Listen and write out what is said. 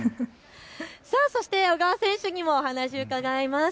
そして小川選手にもお話伺います。